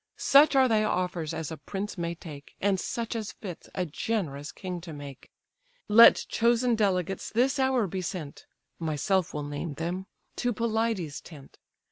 Such are thy offers as a prince may take, And such as fits a generous king to make. Let chosen delegates this hour be sent (Myself will name them) to Pelides' tent.